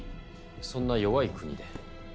そんな弱い国で。